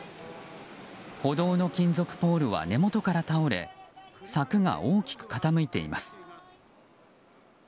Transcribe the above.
歩道の金属ポールは根元から倒れ柵が大きく傾いています。